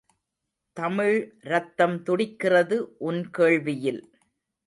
தமிழ் ரத்தம் துடிக்கிறது, உன் கேள்வியில்.